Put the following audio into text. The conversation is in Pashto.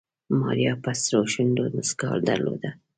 ماريا په سرو شونډو موسکا درلوده.